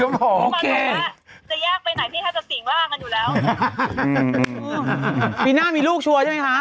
จะแยกไปไหนพี่ถ้าจะสิ่งว่ามันอยู่แล้วอืมปีหน้ามีลูกชัวร์ใช่ไหมคะ